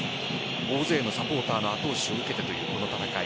大勢のサポーターの後押しを受けたこの戦い。